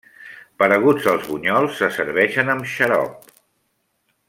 Pareguts als bunyols, se serveixen amb xarop.